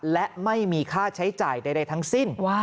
และไม่มีค่าใช้จ่ายใดทั้งสิ้น